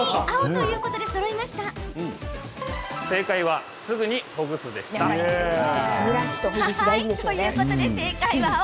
ということで正解は青。